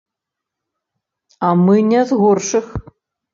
А мы не з горшых.